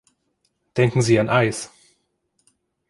Denken Sie an Eis!